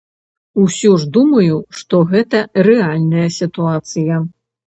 Усё ж думаю, што гэта рэальная сітуацыя.